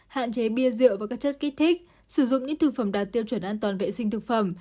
hạn chế bia rượu và các chất kích thích sử dụng những thực phẩm đạt tiêu chuẩn an toàn vệ sinh thực phẩm